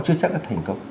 chứ chắc là thành công